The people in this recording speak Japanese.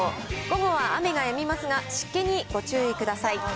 午後は雨がやみますが、湿気にご注意ください。